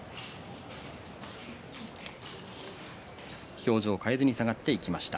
表情を変えずに下がっていきました。